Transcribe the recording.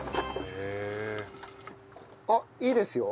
あっいいですよ。